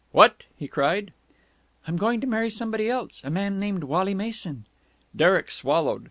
"What?" he cried. "I'm going to marry somebody else. A man named Wally Mason." Derek swallowed.